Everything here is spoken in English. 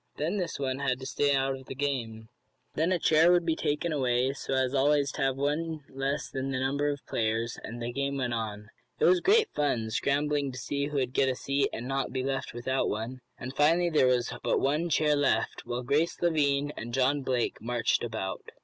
Then this one had to stay out of the game. Then a chair would be taken away, so as always to have one less than the number of players, and the game went on. It was great fun, scrambling to see who would get a seat, and not be left without one, and finally there was but one chair left, while Grace Lavine and John Blake marched about.